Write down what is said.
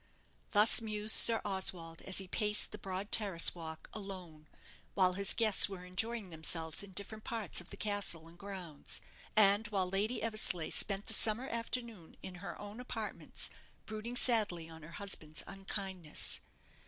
Thus mused Sir Oswald as he paced the broad terrace walk alone, while his guests were enjoying themselves in different parts of the castle and grounds; and while Lady Eversleigh spent the summer afternoon in her own apartments, brooding sadly on her husband's unkindness.